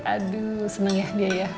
aduh seneng ya dia ya